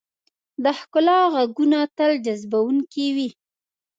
د ښکلا ږغونه تل جذبونکي وي.